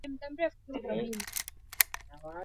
habari ya kituo chako itaonekana kwenye ukurasa wa nyumbani